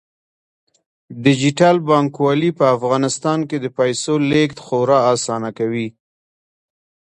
ډیجیټل بانکوالي په افغانستان کې د پیسو لیږد خورا اسانه کوي.